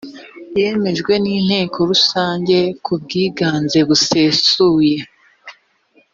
yemejwe n inteko rusange ku bwiganze busesuye